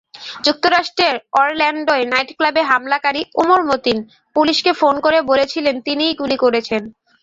যুক্তরাষ্ট্রের অরল্যান্ডোয় নাইটক্লাবে হামলাকারী ওমর মতিন পুলিশকে ফোন করে বলেছিলেন, তিনিই গুলি করেছেন।